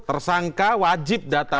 tersangka wajib datang